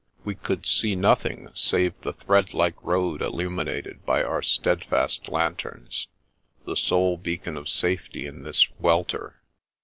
We could sec nothing save the thread like road illuminated by our stead fast lanterns — ^the sole beacon of safety in this wel ter.